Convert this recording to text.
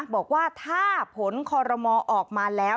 บอกว่าถ้าผลคอรมอออกมาแล้ว